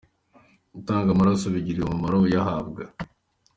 gutanga amaraso bigirira umumaro uyahabwa.